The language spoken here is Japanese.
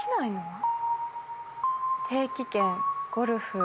定期券ゴルフ